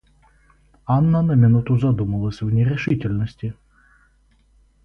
Анна на минуту задумалась в нерешительности.